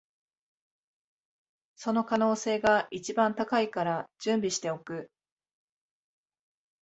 その可能性が一番高いから準備しておく